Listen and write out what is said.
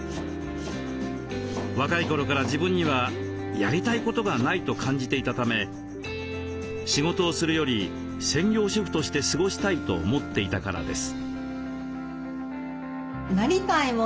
若い頃から自分には「やりたいことがない」と感じていたため仕事をするより専業主婦として過ごしたいと思っていたからです。